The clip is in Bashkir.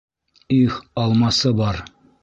Их, алмасыбар!..